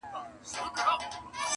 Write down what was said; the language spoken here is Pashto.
په کلو یې یوه زرکه وه ساتلې.